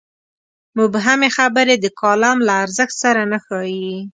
مبهمې خبرې د کالم له ارزښت سره نه ښايي.